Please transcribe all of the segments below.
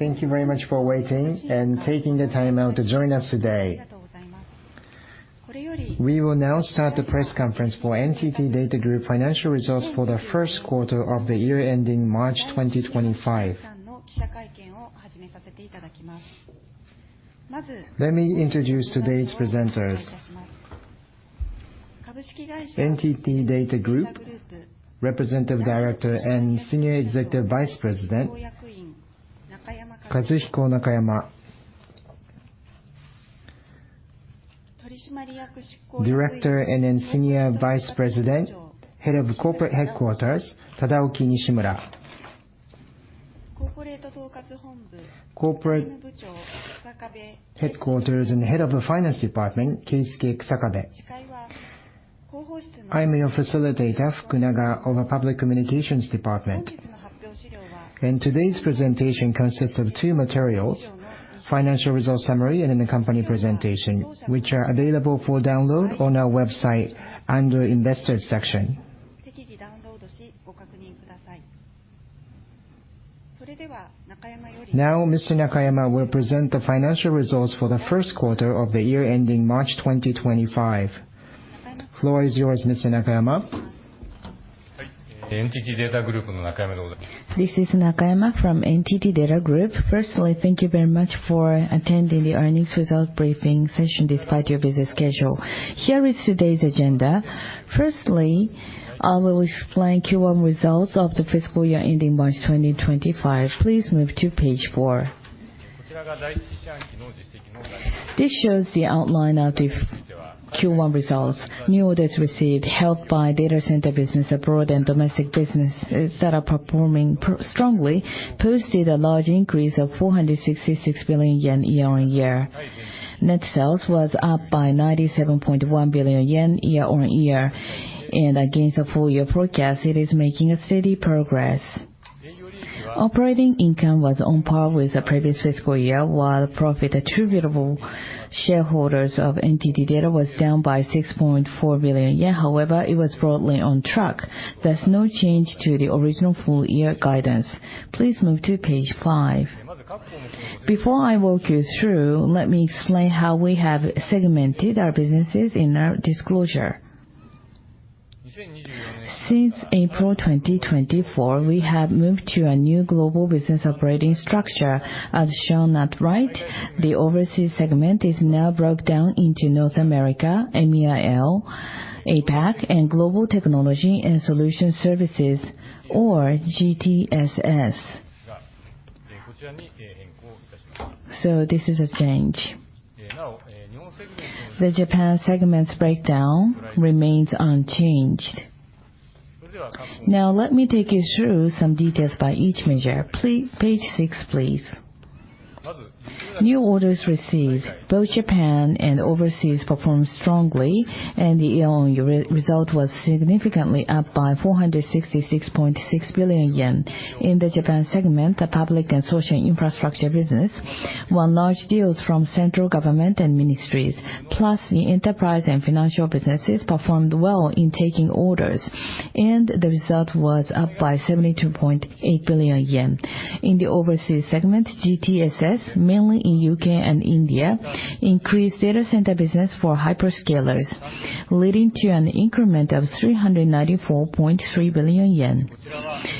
Thank you very much for waiting and taking the time out to join us today. We will now start the press conference for NTT DATA Group financial results for the first quarter of the year ending March 2025. Let me introduce today's presenters. NTT DATA Group Representative Director and Senior Executive Vice President, Kazuhiko Nakayama. Director and then Senior Vice President, Head of Corporate Headquarters, Tadaoki Nishimura. Corporate Headquarters and Head of the Finance Department, Keisuke Kusakabe. I'm your facilitator, Fukunaga, of the Public Communications Department. And today's presentation consists of two materials: financial results summary and then the company presentation, which are available for download on our website under Investors section. Now, Mr. Nakayama will present the financial results for the first quarter of the year ending March 2025. The floor is yours, Mr. Nakayama. This is Nakayama from NTT DATA Group. Firstly, thank you very much for attending the earnings results briefing session despite your busy schedule. Here is today's agenda. Firstly, I will explain Q1 results of the fiscal year ending March 2025. Please move to page four. This shows the outline of the Q1 results. New orders received, helped by data center business abroad and domestic business, that are performing strongly, posted a large increase of 466 billion yen year-on-year. Net sales was up by 97.1 billion yen, year-on-year, and against the full year forecast, it is making a steady progress. Operating income was on par with the previous fiscal year, while profit attributable shareholders of NTT DATA was down by 6.4 billion yen. However, it was broadly on track. There's no change to the original full year guidance. Please move to page five. Before I walk you through, let me explain how we have segmented our businesses in our disclosure. Since April 2024, we have moved to a new global business operating structure. As shown at right, the overseas segment is now broken down into North America, EMEAL, APAC, and Global Technology and Solutions Services, or GTSS. So this is a change. The Japan segment's breakdown remains unchanged. Now, let me take you through some details by each measure. Page six, please. New orders received, both Japan and overseas performed strongly, and the year-on-year result was significantly up by 466.6 billion yen. In the Japan segment, the public and social infrastructure business won large deals from central government and ministries, plus the enterprise and financial businesses performed well in taking orders, and the result was up by 72.8 billion yen. In the overseas segment, GTSS, mainly in UK and India, increased data center business for hyperscalers, leading to an increment of 394.3 billion yen.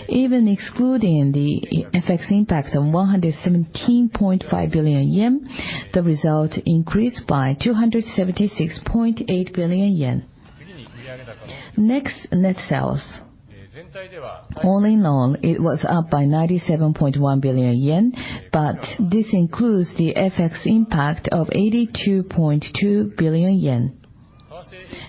Even excluding the FX impact of 117.5 billion yen, the result increased by 276.8 billion yen. Next, net sales. All in all, it was up by 97.1 billion yen, but this includes the FX impact of 82.2 billion yen.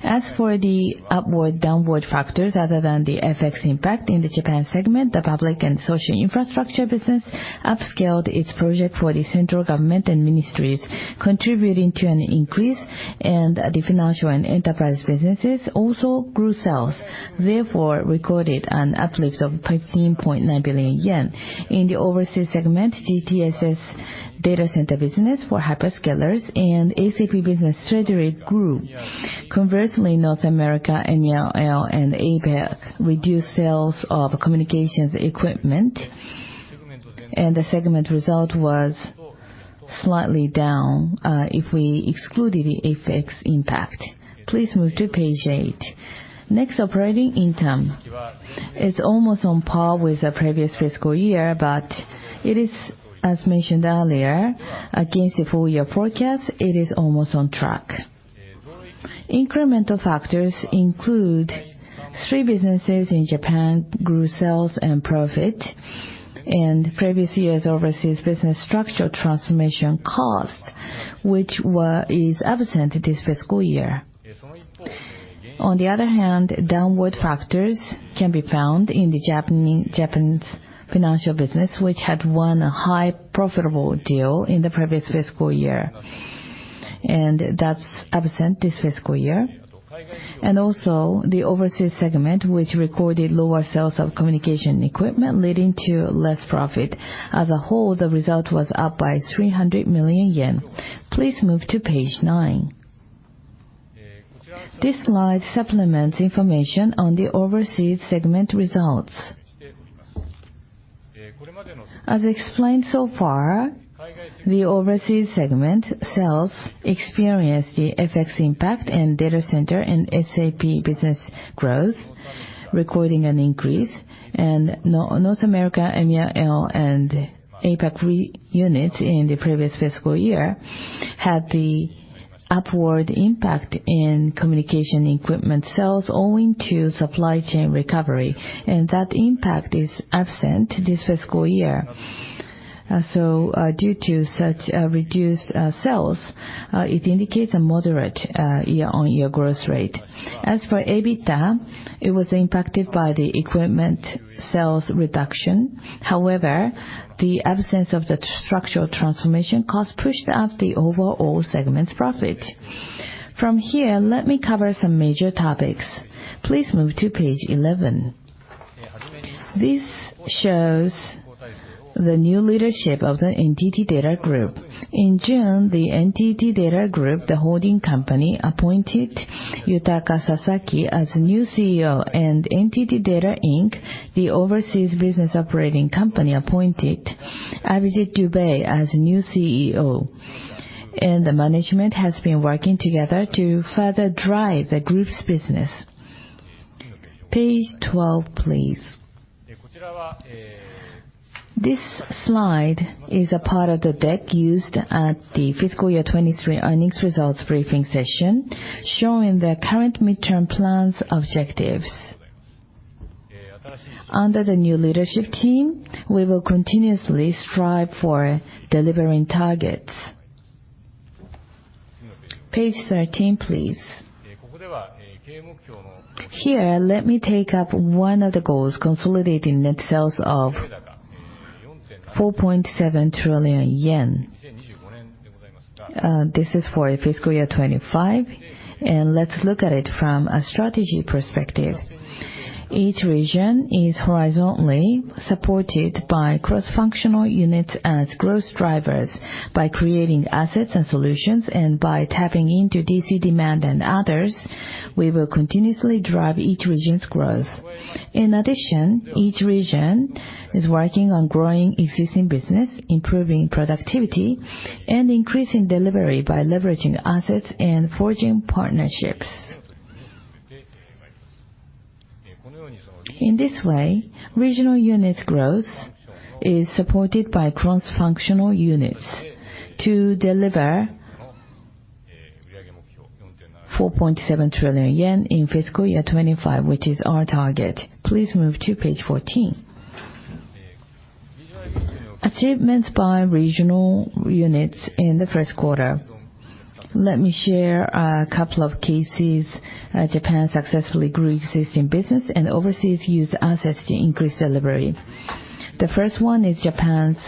As for the upward/downward factors, other than the FX impact in the Japan segment, the public and social infrastructure business upscaled its project for the central government and ministries, contributing to an increase, and the financial and enterprise businesses also grew sales, therefore recorded an uplift of 15.9 billion yen. In the overseas segment, GTSS data center business for hyperscalers and APAC business trajectory grew. Conversely, North America, EMEAL, and APAC reduced sales of communications equipment, and the segment result was slightly down, if we excluded the FX impact. Please move to page 8. Next, operating income. It's almost on par with the previous fiscal year, but it is, as mentioned earlier, against the full year forecast. It is almost on track. Incremental factors include three businesses in Japan grew sales and profit, and previous years' overseas business structural transformation cost, which is absent this fiscal year. On the other hand, downward factors can be found in the Japanese financial business, which had won a high profitable deal in the previous fiscal year, and that's absent this fiscal year. Also, the overseas segment, which recorded lower sales of communication equipment, leading to less profit. As a whole, the result was up by 300 million yen. Please move to page 9. This slide supplements information on the overseas segment results. As explained so far, the overseas segment sales experienced the FX impact and data center and SAP business growth, recording an increase. North America, EMEAL, and APAC regions in the previous fiscal year had the upward impact in communication equipment sales owing to supply chain recovery, and that impact is absent this fiscal year. So, due to such reduced sales, it indicates a moderate year-on-year growth rate. As for EBITDA, it was impacted by the equipment sales reduction. However, the absence of the structural transformation costs pushed up the overall segment's profit. From here, let me cover some major topics. Please move to page 11. This shows the new leadership of the NTT DATA Group. In June, the NTT DATA Group, the holding company, appointed Yutaka Sasaki as the new CEO, and NTT DATA, Inc., the overseas business operating company, appointed Abhijit Dubey as the new CEO. The management has been working together to further drive the group's business. Page twelve, please. This slide is a part of the deck used at the fiscal year 2023 earnings results briefing session, showing the current midterm plan's objectives. Under the new leadership team, we will continuously strive for delivering targets. Page thirteen, please. Here, let me take up one of the goals, consolidating net sales of 4.7 trillion yen. This is for fiscal year 2025, and let's look at it from a strategy perspective. Each region is horizontally supported by cross-functional units as growth drivers. By creating assets and solutions, and by tapping into DC demand and others, we will continuously drive each region's growth. In addition, each region is working on growing existing business, improving productivity, and increasing delivery by leveraging assets and forging partnerships. In this way, regional units' growth is supported by cross-functional units to deliver 4.7 trillion yen in fiscal year 2025, which is our target. Please move to page 14. Achievements by regional units in the first quarter. Let me share a couple of cases. Japan successfully grew existing business, and overseas used assets to increase delivery. The first one is Japan's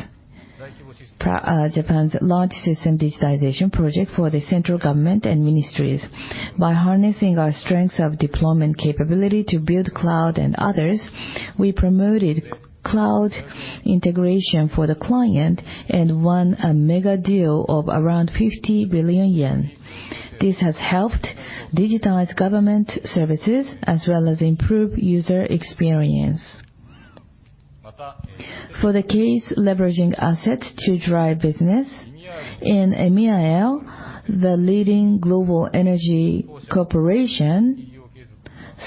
large system digitization project for the central government and ministries. By harnessing our strengths of deployment capability to build cloud and others, we promoted cloud integration for the client and won a mega deal of around 50 billion yen. This has helped digitize government services as well as improve user experience. For the case leveraging assets to drive business, in EMEAL, the leading global energy corporation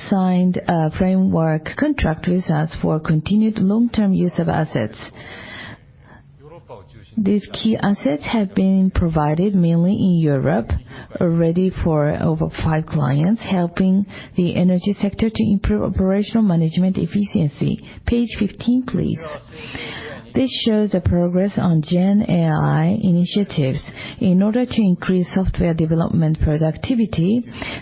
signed a framework contract with us for continued long-term use of assets. These key assets have been provided mainly in Europe, already for over 5 clients, helping the energy sector to improve operational management efficiency. Page 15, please. This shows the progress on Gen AI initiatives. In order to increase software development productivity,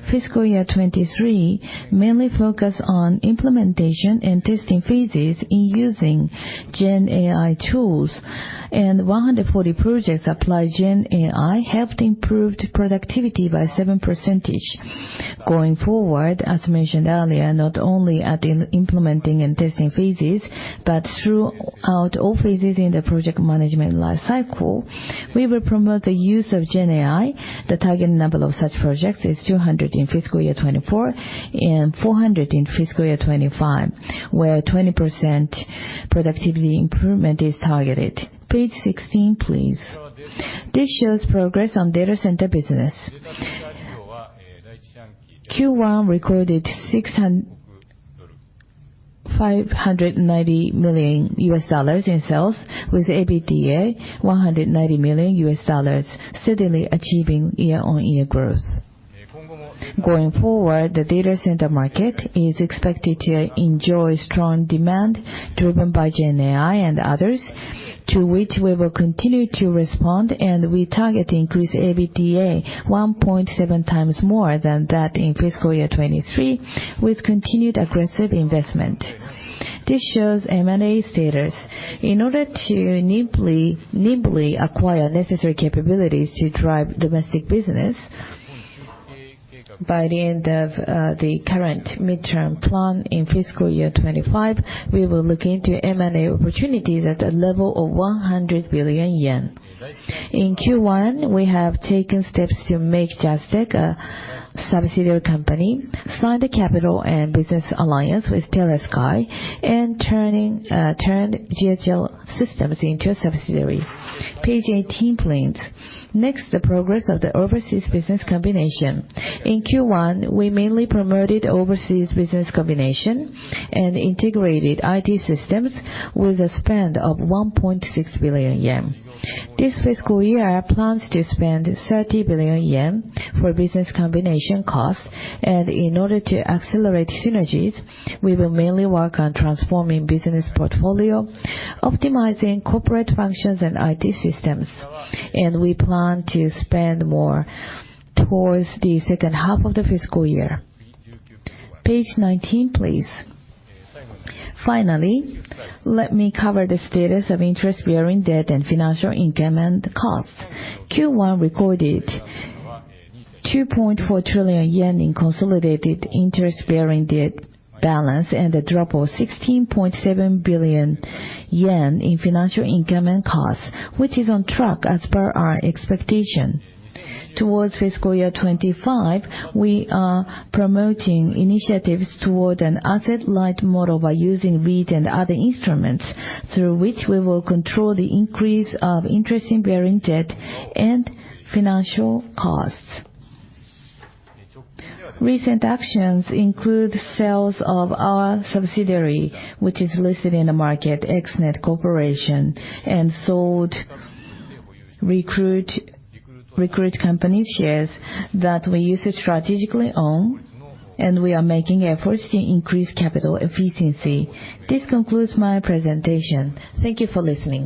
fiscal year 2023 mainly focused on implementation and testing phases in using Gen AI tools, and 140 projects applied Gen AI, helped improve productivity by 7%. Going forward, as mentioned earlier, not only at the implementing and testing phases, but throughout all phases in the project management life cycle, we will promote the use of Gen AI. The target number of such projects is 200 in fiscal year 2024, and 400 in fiscal year 2025, where 20% productivity improvement is targeted. Page 16, please. This shows progress on data center business. Q1 recorded $590 million in sales, with EBITDA $190 million, steadily achieving year-on-year growth. Going forward, the data center market is expected to enjoy strong demand, driven by Gen AI and others, to which we will continue to respond, and we target to increase EBITDA 1.7 times more than that in fiscal year 2023, with continued aggressive investment. This shows M&A status. In order to nimbly acquire necessary capabilities to drive domestic business, by the end of the current midterm plan in fiscal year 2025, we will look into M&A opportunities at a level of 100 billion yen. In Q1, we have taken steps to make JASTEC a subsidiary company, signed a capital and business alliance with TerraSky, and turned GHL Systems into a subsidiary. Page eighteen, please. Next, the progress of the overseas business combination. In Q1, we mainly promoted overseas business combination and integrated IT systems with a spend of ¥1.6 billion. This fiscal year plans to spend ¥30 billion for business combination costs, and in order to accelerate synergies, we will mainly work on transforming business portfolio, optimizing corporate functions and IT systems, and we plan to spend more towards the second half of the fiscal year. Page 19, please. Finally, let me cover the status of interest-bearing debt and financial income and costs. Q1 recorded ¥2.4 trillion in consolidated interest-bearing debt balance, and a drop of ¥16.7 billion in financial income and costs, which is on track as per our expectation. Toward fiscal year 2025, we are promoting initiatives toward an asset-light model by using REIT and other instruments, through which we will control the increase of interest-bearing debt and financial costs. Recent actions include sales of our subsidiary, which is listed in the market, XNET Corporation, and sold Recruit, Recruit company shares that we used to strategically own, and we are making efforts to increase capital efficiency. This concludes my presentation. Thank you for listening.